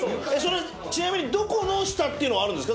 ちなみにどこの下っていうのはあるんですか？